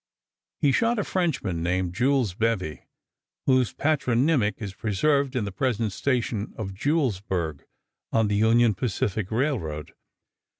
He shot a Frenchman named Jules Bevi, whose patronymic is preserved in the present station of Julesburg on the Union Pacific Railroad.